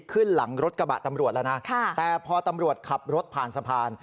ขึ้นหลังรถกระบะตำรวจแล้วนะแต่พอตำรวจขับรถผ่านสะพาน